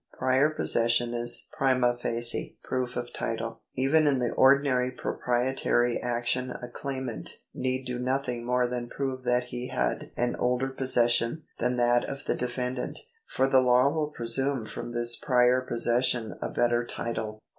Prior possession is prima facie proof of title. Even in the ordinary proprietary action a claimant need do nothing more than prove that he had an older possession than that of the defendant ; for the law will presume from this prior possession a better title.